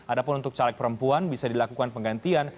ada pun untuk caleg perempuan bisa dilakukan penggantian